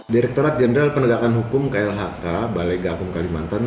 direkturat jenderal penegakan hukum klhk balai gakum kalimantan